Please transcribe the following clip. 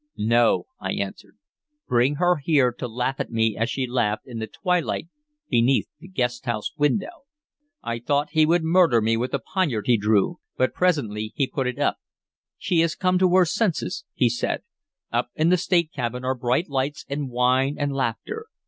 "No," I answered. "Bring her here to laugh at me as she laughed in the twilight beneath the guesthouse window." I thought he would murder me with the poniard he drew, but presently he put it up. "She is come to her senses," he said. "Up in the state cabin are bright lights, and wine and laughter.